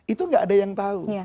itu gak ada yang tahu